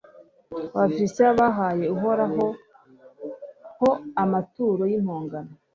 abafilisiti bahaye uhoraho ho amaturo y'impongano